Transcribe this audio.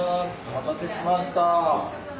お待たせしました。